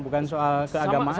bukan soal keagamannya